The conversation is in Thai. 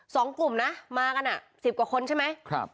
สองกลุ่มนะมากันอ่ะสิบกว่าคนใช่ไหมครับ